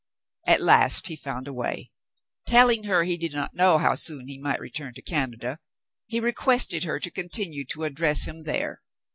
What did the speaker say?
At last he found a way. Telling her he did not know how soon he might return to Canada, he requested her to continue to address him there.